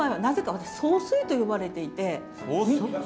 峰総帥って呼ばれていて。